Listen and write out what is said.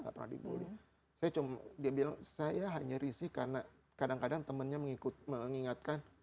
saya cuma dia bilang saya hanya risih karena kadang kadang temennya mengingatkan